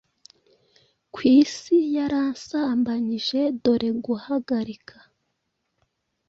Kwisi yaransambanyije Doreguhagarika